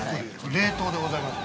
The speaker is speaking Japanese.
◆冷凍でございます。